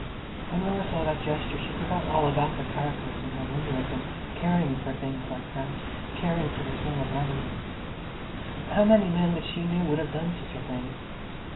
When Laura saw that gesture she forgot all about the karakas in her wonder at him caring for things like that—caring for the smell of lavender. How many men that she knew would have done such a thing?